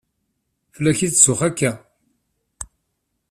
Fell-ak i la tetzuxxu akka?